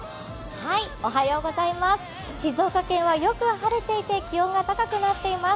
静岡県はよく晴れていて気温が高くなっています。